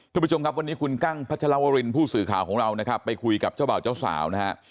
คุณผู้ชมครับวันนี้คุณกั้งพัชรวรินผู้สื่อข่าวของเรานะครับไปคุยกับเจ้าบ่าวเจ้าสาวนะฮะ